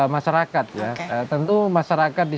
masyarakat ya tentu masyarakat di